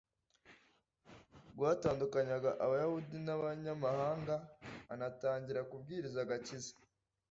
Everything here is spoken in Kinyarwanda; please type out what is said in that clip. rwatandukanyaga Abayahudi n’Abanyamahanga, anatangira kubwiriza agakiza